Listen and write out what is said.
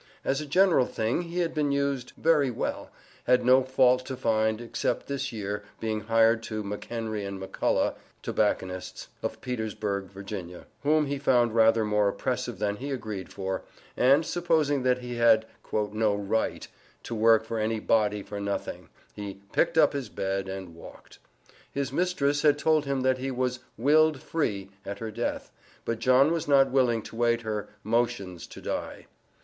As a general thing, he had been used 'very well;' had no fault to find, except this year, being hired to McHenry & McCulloch, tobacconists, of Petersburg, Va., whom he found rather more oppressive than he agreed for, and supposing that he had 'no right' to work for any body for nothing, he 'picked up his bed and walked.' His mistress had told him that he was 'willed free,' at her death, but John was not willing to wait her "motions to die."